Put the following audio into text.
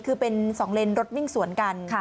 คือเป็น๒เลนรถวิ่งสวนกัน